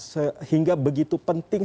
sehingga begitu penting